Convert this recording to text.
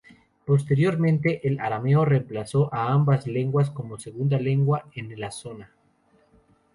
Posteriormente, el arameo reemplazó a ambas lenguas como segunda lengua en la zona.